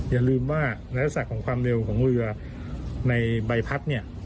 อย่าลืมว่าในลักษณะของความเร็วของเรือในใบพัดเนี่ย